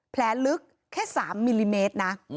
แผลลึกแค่๓มิลลิเมตรนะ